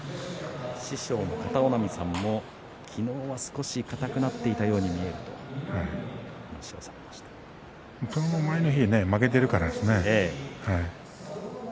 師匠の片男波さんも昨日は少し硬くなっているように見えるとそれも前の日負けているからですね。